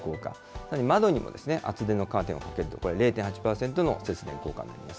さらに窓にも厚手のカーテンを掛けると、０．８％の節電効果になります。